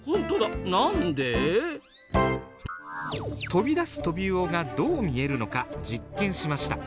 飛び出すトビウオがどう見えるのか実験しました。